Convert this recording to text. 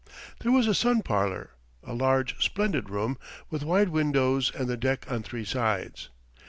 There was a sun parlor, a large, splendid room with wide windows and the deck on three sides.